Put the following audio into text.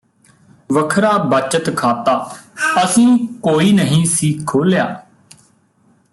ਵੱਖਰਾ ਬੱਚਤ ਖਾਤਾ ਅਸੀਂ ਕੋਈ ਨਹੀਂ ਸੀ ਖੋਲ੍ਹਿਆ